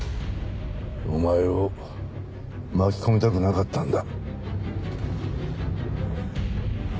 お前を巻き込みたくなかったんだ。